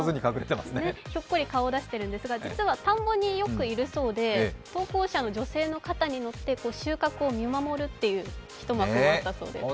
ひょっこり顔を出しているんですが、実は田んぼによくいるそうで投稿者の女性の方によって収穫を見守る一幕があったそうです。